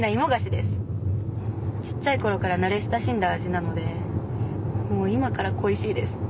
ちっちゃい頃から慣れ親しんだ味なのでもう今から恋しいです。